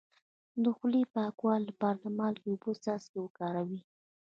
د خولې د پاکوالي لپاره د مالګې او اوبو څاڅکي وکاروئ